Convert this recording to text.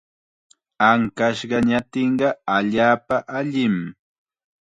Ankashqa ñatinqa allaapa allim.